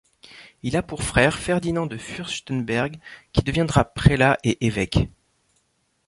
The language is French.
Il a pour frère Ferdinand de Fürstenberg, qui deviendra prélat et évêque.